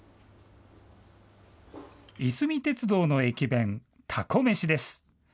いすみ鉄道の駅弁、たこめしです。